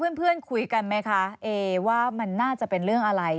เพื่อนคุยกันไหมคะเอว่ามันน่าจะเป็นเรื่องอะไร